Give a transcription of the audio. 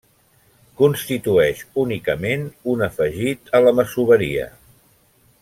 Constitueix únicament un afegit a la masoveria.